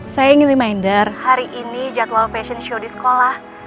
saya ingin reminder hari ini jadwal fashion show di sekolah